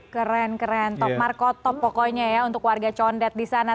keren keren top marko top pokoknya ya untuk warga condet di sana